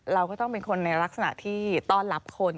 เราก็ต้องเป็นคนในลักษณะที่ต้อนรับคน